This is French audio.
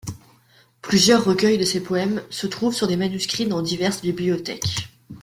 Plusieurs recueils de ses poèmes se trouvent sur des manuscrits dans diverses bibliothèques.